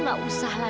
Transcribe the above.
kamu gak usah lagi